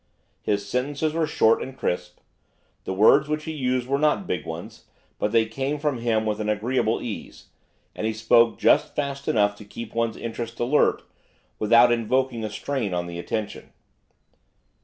His sentences were short and crisp; the words which he used were not big ones, but they came from him with an agreeable ease; and he spoke just fast enough to keep one's interest alert without involving a strain on the attention.